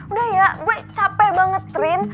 udah ya gue capek banget strain